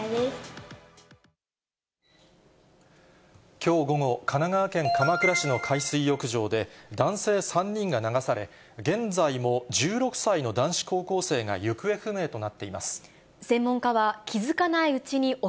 きょう午後、神奈川県鎌倉市の海水浴場で、男性３人が流され、現在も１６歳の男子高校生が行方不明となっています。